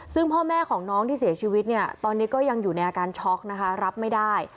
ซึ่งพ่อแม่ของน้องที่เสียชีวิตเนี่ยตอนนี้ก็ยังอยู่ในอาการช็อกนะคะรับไม่ได้